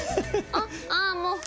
あっああもう。